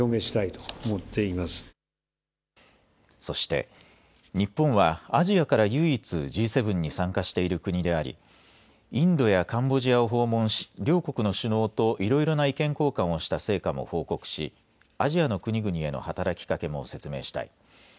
そして日本はアジアから唯一Ｇ７に参加している国でありインドやカンボジアを訪問し両国の首脳といろいろな意見交換をした成果も報告しアジアの国々への働きかけも説明したい。